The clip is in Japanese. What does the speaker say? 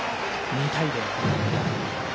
２対０！